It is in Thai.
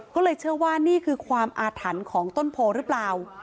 ก็เลยเชื่อว่านี่คือความอาถรรพ์ของต้นโพหรือเปล่า